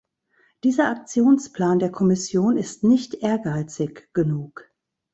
Dieser Aktionsplan der Kommission ist nicht ehrgeizig genug.